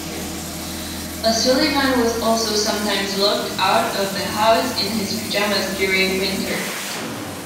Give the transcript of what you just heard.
O'Sullivan was also sometimes locked out of the house in his pajamas during winter.